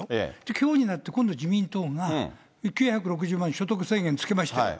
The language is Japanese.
きょうになって今度、自民党が、９６０万円所得制限をつけましたよと。